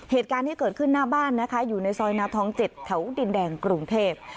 เหตุการณ์ที่เกิดขึ้นหน้าบ้านนะคะอยู่ในซอยนาทอง๗แถวดินแดงกรุงเทพ